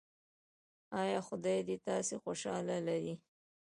ایا خدای دې تاسو خوشحاله لري؟